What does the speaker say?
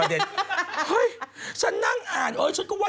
เฮ้ยฉันนั่งอ่านเอ้ยฉันก็ว่า